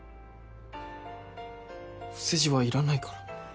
お世辞はいらないから。